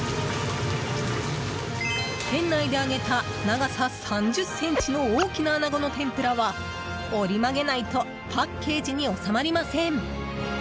店内で揚げた長さ３０ｃｍの大きなアナゴの天ぷらは折り曲げないとパッケージに収まりません。